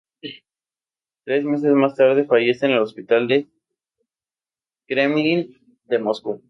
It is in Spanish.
Tres meses más tarde, fallece en el hospital del Kremlin de Moscú.